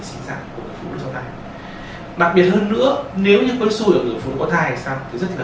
sinh sản của phụ nữ sau này đặc biệt hơn nữa nếu như có xùi ở gần phụ nữ có thai thì sao thì rất là